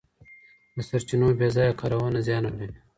د سرچینو بې ځایه کارونه زیان اړوي.